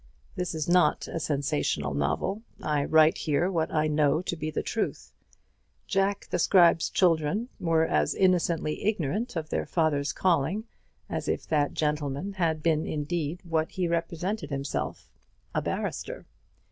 This is not a sensation novel. I write here what I know to be the truth. Jack the Scribe's children were as innocently ignorant of their father's calling as if that gentleman had been indeed what he represented himself a barrister.